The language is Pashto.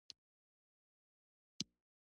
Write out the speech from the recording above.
سوي اروا مې پر ګریوان اور بل کړ